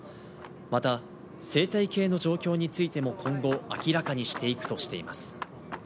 また生態系の状況についても今後、明らかにしていくとしています。